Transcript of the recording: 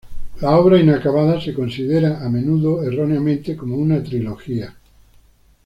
La obra, inacabada, se considera a menudo, erróneamente, como una trilogía.